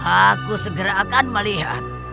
aku segera akan melihat